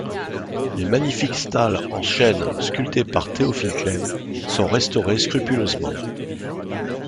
Les magnifiques stalles en chêne sculptés par Théophile Klem sont restaurées scrupuleusement.